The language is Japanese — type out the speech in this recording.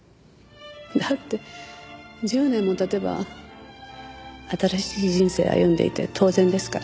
だって１０年も経てば新しい人生歩んでいて当然ですから。